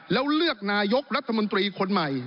แล้วเลือกนายกรัฐมนตรีคนใหม่